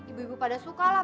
ibu ibu pada suka lah